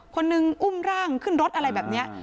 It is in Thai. คนหนึ่งอุ้มร่างขึ้นรถอะไรแบบนี้